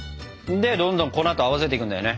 でどんどん粉と合わせていくんだよね。